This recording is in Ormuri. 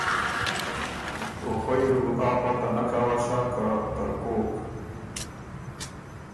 او خوئ اِر بُو آ پته نک اؤسا که ترکوک؟